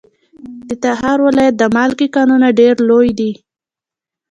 د تخار ولایت د مالګې کانونه ډیر لوی دي.